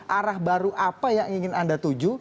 arah baru apa yang ingin anda tuju